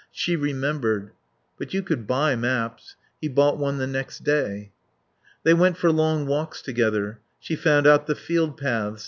She remembered. But you could buy maps. He bought one the next day. They went for long walks together. She found out the field paths.